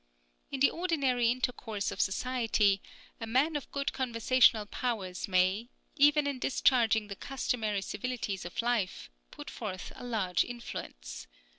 In the ordinary intercourse of society, a man of good conversational powers may, even in discharging the customary civilities of life, put forth a large influence.